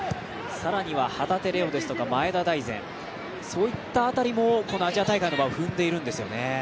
更には旗手怜央ですとか前田大然、そういった辺りもこのアジア大会の場を踏んでいるんですよね。